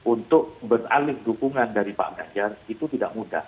untuk beralih dukungan dari pak ganjar itu tidak mudah